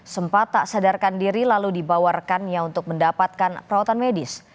sempat tak sadarkan diri lalu dibawa rekannya untuk mendapatkan perawatan medis